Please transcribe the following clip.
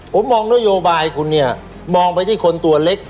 ผมมองนโยบายคุณเนี่ยมองไปที่คนตัวเล็ก